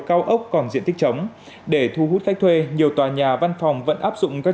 cao ốc còn diện tích chống để thu hút khách thuê nhiều tòa nhà văn phòng vẫn áp dụng các